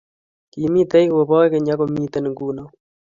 Kimitei koboch keny, ak komitei nguno;